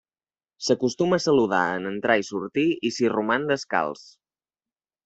S'acostuma a saludar en entrar i sortir i s'hi roman descalç.